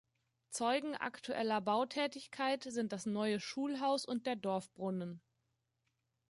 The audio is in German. Zeugen aktueller Bautätigkeit sind das neue Schulhaus und der Dorfbrunnen.